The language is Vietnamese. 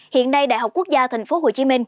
hiện nay đại học quốc gia tp hcm